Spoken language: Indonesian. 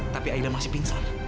tapi aida masih pingsan